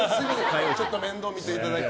ちょっと面倒見ていただいて。